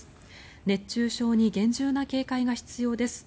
熱中症に厳重な警戒が必要です。